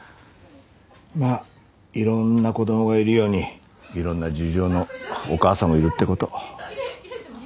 まあいろんな子供がいるようにいろんな事情のお母さんもいるって事。